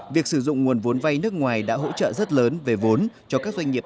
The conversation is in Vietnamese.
việc sử dụng nguồn vốn vay nước ngoài đã hỗ trợ rất lớn về vốn cho các doanh nghiệp